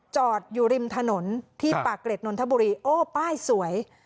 จอดอยู่ริมถนนที่ปากเกร็ดนนทบุรีโอ้ป้ายสวย